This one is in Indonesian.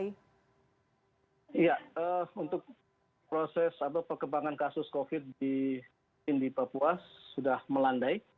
iya untuk proses atau perkembangan kasus covid di papua sudah melandai